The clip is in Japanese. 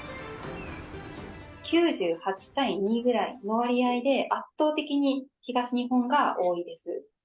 ９８対２ぐらいの割合で圧倒的に東日本が多いです。